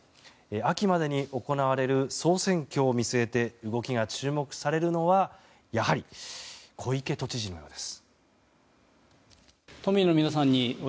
秋までに行われる総選挙を見据えて動きが注目されるのはやはり、小池都知事なのです。